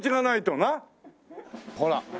ほら。